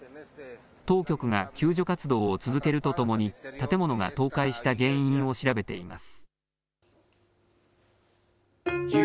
当局が救助活動を続けるとともに、建物が倒壊した原因を調べています。